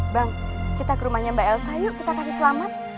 bang kita ke rumahnya mbak elsa yuk kita kasih selamat